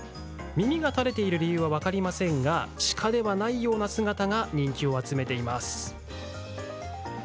耳が垂れている理由は分かりませんが鹿ではないような姿が人気を集めています。